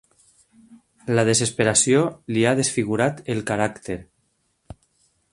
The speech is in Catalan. La desesperació li ha desfigurat el caràcter.